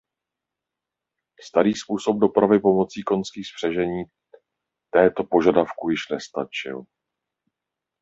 Starý způsob dopravy pomocí koňských spřežení této požadavku již nestačil.